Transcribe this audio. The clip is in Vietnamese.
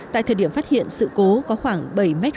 tại thời điểm phát hiện sự cố có khoảng bảy mét khối dầu chảy